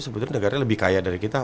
sebetulnya negaranya lebih kaya dari kita